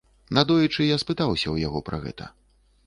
Надоечы я спытаўся ў яго пра гэта.